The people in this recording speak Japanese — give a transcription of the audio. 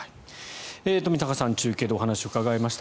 冨坂さん中継でお話を伺いました。